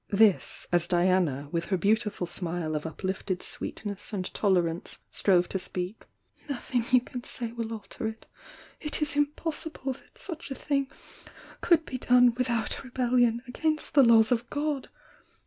— this, as Diana, with her beautiful smile of uplifted sweetness and tolerance, strove to speaJc — "Nothing you can say will alter it! It is impossible that such a thing could be done without rebellion against the laws of God!